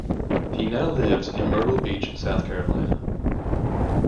He now lives in Myrtle Beach South Carolina.